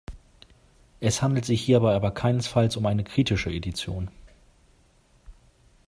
Es handelt sich hierbei aber keinesfalls um eine kritische Edition.